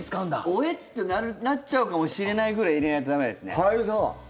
オエッてなっちゃうかもしれないぐらい入れないと駄目ですね。